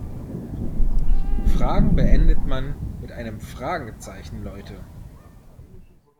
Fragen beendet man mit einem Fragezeichen, Leute!